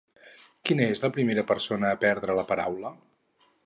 Quina és la primera persona a prendre la paraula?